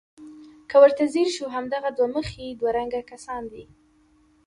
که ورته ځیر شو همدغه دوه مخي دوه رنګه کسان دي.